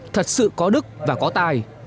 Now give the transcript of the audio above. thật sự có đức và có tài